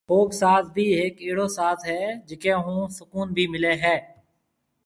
فوڪ ساز بِي هيڪ اهڙو ساز هي جڪي هون سُڪون بي ملي هي